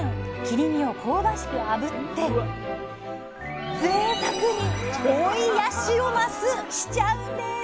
切り身を香ばしくあぶってぜいたくに「追いヤシオマス」しちゃうんです！